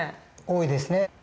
多いですね。